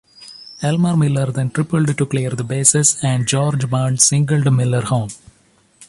Elmer Miller then tripled to clear the bases, and George Burns singled Miller home.